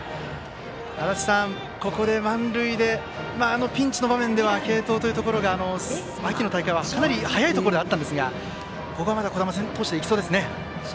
足達さん、ここで満塁でピンチの場面では継投というところが、秋の大会はかなり早いところであったんですが、ここはまだ児玉投手でいきそうですね。